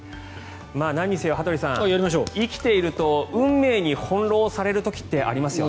なんにせよ羽鳥さん生きていると運命に翻ろうされる時ってありますよね。